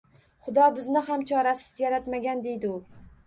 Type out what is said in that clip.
Xudo bizni ham chorasiz yaratmagan, — deydi u